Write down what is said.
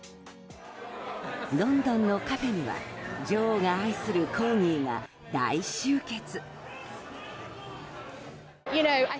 ロンドンのカフェには女王が愛するコーギーが大集結。